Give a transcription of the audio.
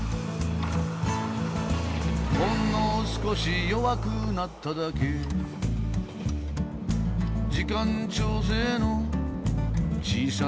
「ほんの少し弱くなっただけ」「時間調整の小さな駅で」